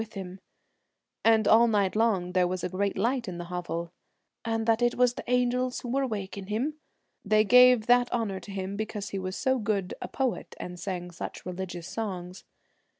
1.1 Twilight, with him '; and all night long there was a great light in the hovel, ' and that was the angels who were waking him. They gave that honour to him because he was so good a poet, and sang such religious songs.'